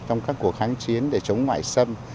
trong các cuộc kháng chiến để chống ngoại xâm